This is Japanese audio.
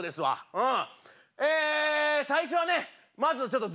うん。